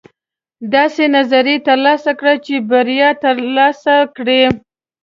داسې نظریې ترلاسه کړئ چې بریا ترلاسه کړئ.